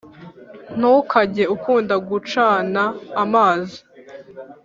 Ntukage ukunda gu cana amazi